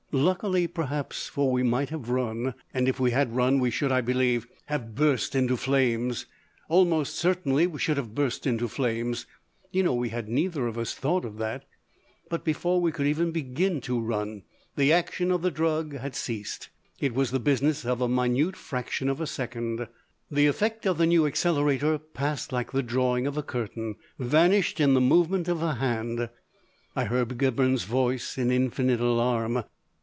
Luckily, perhaps! For we might have run, and if we had run we should, I believe, have burst into flames. Almost certainly we should have burst into flames! You know we had neither of us thought of that.... But before we could even begin to run the action of the drug had ceased. It was the business of a minute fraction of a second. The effect of the New Accelerator passed like the drawing of a curtain, vanished in the movement of a hand. I heard Gibberne's voice in infinite alarm.